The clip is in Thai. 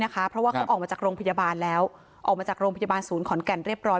เพราะว่าเขาออกมาจากโรงพยาบาลแล้วออกมาจากโรงพยาบาลศูนย์ขอนแก่นเรียบร้อย